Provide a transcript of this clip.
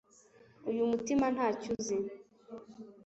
Uyu mutima ntacyo uzi